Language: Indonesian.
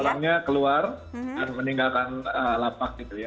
orangnya keluar dan meninggalkan lapak gitu ya